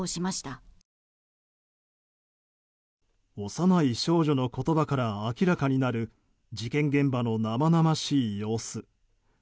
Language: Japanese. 幼い少女の言葉から明らかになる事件現場の生々しい様子。